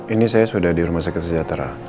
ini saya sudah di rumah sakit sejahtera